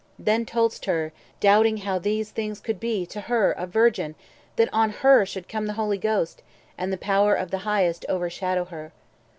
Then told'st her, doubting how these things could be To her a virgin, that on her should come The Holy Ghost, and the power of the Highest O'ershadow her.